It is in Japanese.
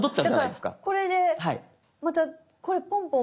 だからこれでまたこれポンポン。